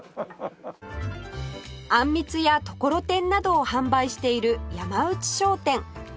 あんみつやところてんなどを販売している山内商店